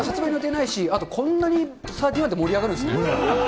ないし、あとこんなにサーティワンで盛り上がるんですね。